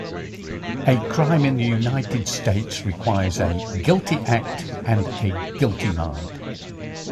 A crime in the United States requires a "guilty act" and a "guilty mind".